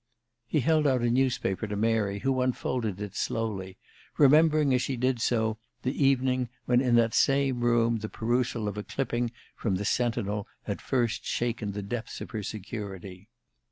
He held out a newspaper to Mary, who unfolded it slowly, remembering, as she did so, the evening when, in that same room, the perusal of a clipping from the "Sentinel" had first shaken the depths of her security.